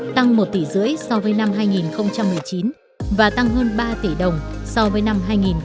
tăng một tỷ rưỡi so với năm hai nghìn một mươi chín và tăng hơn ba tỷ đồng so với năm hai nghìn một mươi